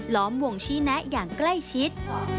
ล้อมวงชี้แนะอย่างใกล้ชิด